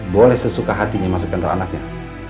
boleh sesuka hatinya masuk kantor anaknya